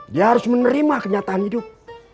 dia harus menerima kenyataan hidup